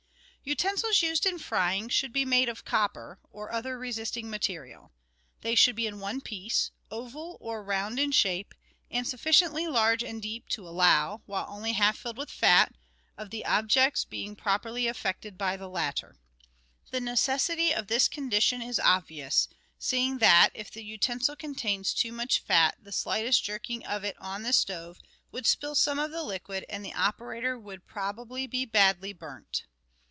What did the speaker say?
Utensils used in frying should be made of copper, or other resisting metal ; they should be in one piece, oval or round in shape, and sufficiently large and deep to allow, while only half filled with fat, of the objects being properly affected by the latter. The necessity of this condition is obvious, seeing that if the utensil contain too much fat the slightest jerking of it on the stove would spill some of the liquid, and the operator would probably be badly burnt.